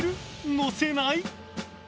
のせない？